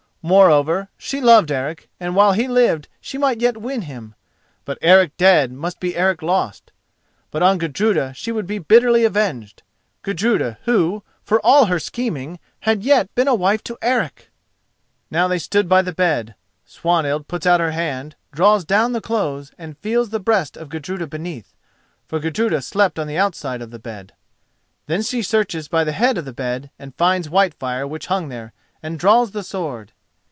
Moreover, she loved Eric, and while he lived she might yet win him; but Eric dead must be Eric lost. But on Gudruda she would be bitterly avenged—Gudruda, who, for all her scheming, had yet been a wife to Eric! Now they stand by the bed. Swanhild puts out her hand, draws down the clothes, and feels the breast of Gudruda beneath, for Gudruda slept on the outside of the bed. Then she searches by the head of the bed and finds Whitefire which hung there, and draws the sword.